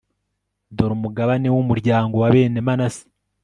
dore umugabane w'umuryango wa bene manase